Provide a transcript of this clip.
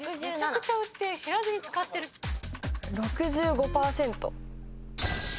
６５％。